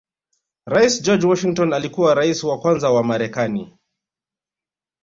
Rais George Washington alikuwa Rais wa kwanza wa marekani